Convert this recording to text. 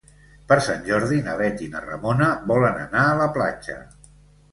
Per Sant Jordi na Bet i na Ramona volen anar a la platja.